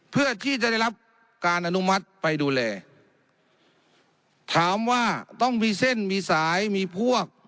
เพื่อที่จะได้รับการอนุมัติไปดูแลถามว่าต้องมีเส้นมีสายมีพวก